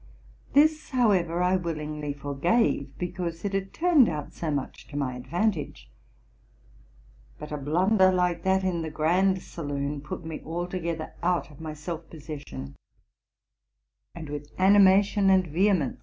This, however, I willingly forgave, because it had turned out so much to my advantage; but a blunder like that in the grand saloon put me altogether out of my self possession, and with animation and vehemence.